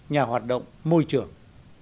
nhà hoạt động môi trường